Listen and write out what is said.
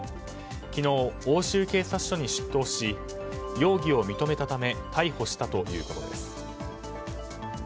昨日、奥州警察署に出頭し容疑を認めたため逮捕したということです。